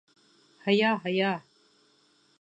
Һыя, һыя.